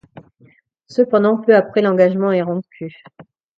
Cependant peu après l'engagement est rompu.